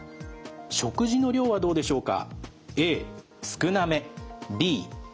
食事の量はどうでしょうか？